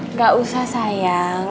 nggak usah sayang